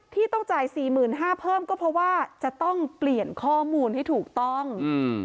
ที่ต้องจ่ายสี่หมื่นห้าเพิ่มก็เพราะว่าจะต้องเปลี่ยนข้อมูลให้ถูกต้อง